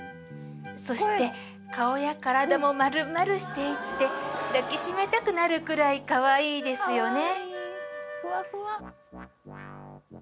そして顔や体も丸々していて抱きしめたくなるくらいかわいいですよね